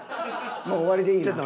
もう終わりでいいな。